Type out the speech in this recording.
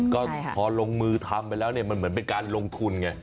ก็พอลงมือทำไปแล้วเนี่ยมันเหมือนเป็นการลงทุนไง